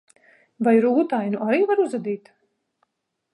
Vai rūtainu arī var uzadīt?